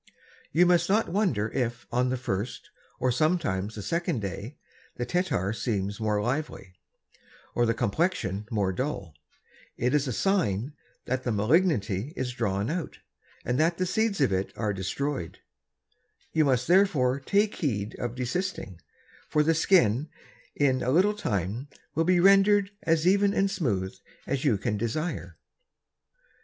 You must not wonder if on the first, and sometimes the second Day, the Tettar seems more lively, or the Complection more dull; it is a sign that the Malignity is drawn out, and that the Seeds of it are destroy'd: you must therefore take heed of desisting, for the Skin in a little Time will be render'd as even and smooth as you can desire.